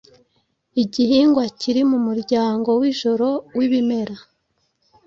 Igihingwa kiri mumuryango wijoro wibimera